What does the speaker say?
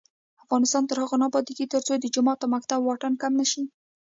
افغانستان تر هغو نه ابادیږي، ترڅو د جومات او مکتب واټن کم نشي.